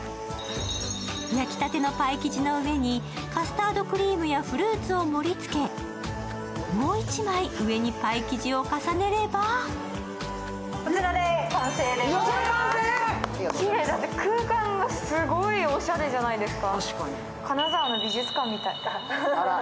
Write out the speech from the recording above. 焼きたてのパイ生地の上にカスタードクリームやフルーツを盛りつけもう一枚上にパイ生地を重ねればきれい、だって空間がすっごいおしゃれじゃないですか。